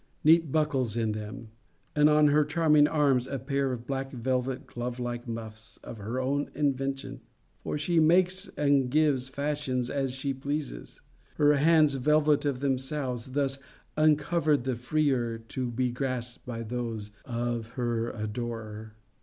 neat buckles in them: and on her charming arms a pair of black velvet glove like muffs of her own invention; for she makes and gives fashions as she pleases. Her hands velvet of themselves, thus uncovered the freer to be grasped by those of her adorer.